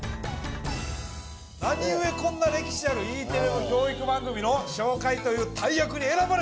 何故こんな歴史あるＥテレの教育番組の紹介という大役に選ばれたんじゃ！？